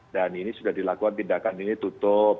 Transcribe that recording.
dan ini sudah dilakukan tindakan ini tutup